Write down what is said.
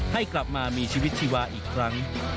ให้กลับมามีชีวิตชีวาอีกครั้ง